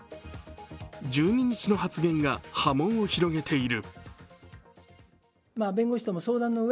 １２日の発言が波紋を広げている。